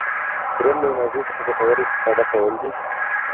دریم له انرژي څخه ګټوره استفاده کول دي.